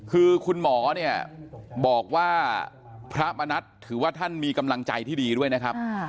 คือคุณหมอเนี่ยบอกว่าพระมณัฐถือว่าท่านมีกำลังใจที่ดีด้วยนะครับ